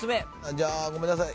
じゃあごめんなさい。